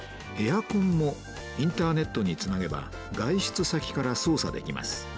エアコンもインターネットにつなげば外出先から操作できます。